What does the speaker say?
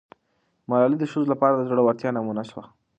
ملالۍ د ښځو لپاره د زړه ورتیا نمونه سوه.